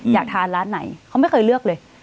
อยากทานร้านไหนเขาไม่เคยเลือกเลย